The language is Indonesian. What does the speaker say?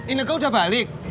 ineke udah balik